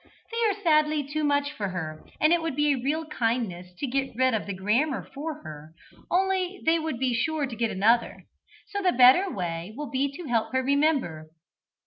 they are sadly too much for her, and it would be a real kindness to get rid of the grammar for her, only they would be sure to get another; so the better way will be to help her to remember.